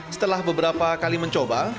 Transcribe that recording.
setelah beberapa kali mencoba